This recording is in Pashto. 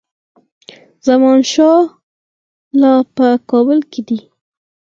زمانشاه لا په کابل کې دی.